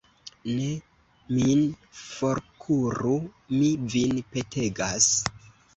Ne min forkuru; mi vin petegas.